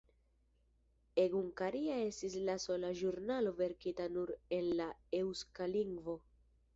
Egunkaria estis la sola ĵurnalo verkita nur en la eŭska lingvo.